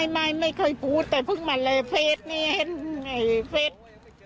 ไม่ค่อยพูดแต่เพิ่งมาแหละเพจนี่เพจ